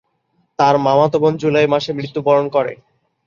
তার মামাতো বোন জুলাই মাসে মৃত্যুবরণ করে।